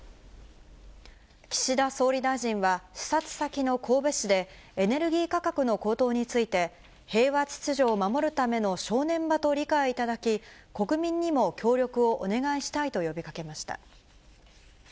岸田総理大臣は、視察先の神戸市で、エネルギー価格の高騰について、平和秩序を守るための正念場と理解いただき、国民にも協力をお願いしたいと呼びかけました。